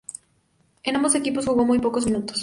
En ambos equipos jugó muy pocos minutos.